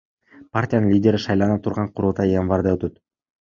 Партиянын лидери шайлана турган курултай январда өтөт.